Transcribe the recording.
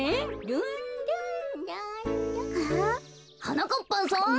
はなかっぱんさん。